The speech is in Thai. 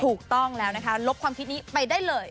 ถูกต้องแล้วนะคะลบความคิดนี้ไปได้เลย